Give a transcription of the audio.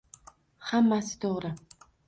Hammasi to'g'ri?